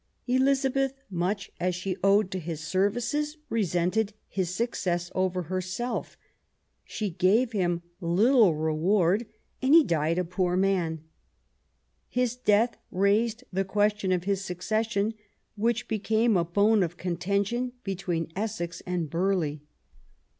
Elizabeth, much as she owed to his services, resented his success over herself. She gave him little reward, and he died a poor man. His death raised the question of his succession, which became a bone of contention between Essex and Burghley.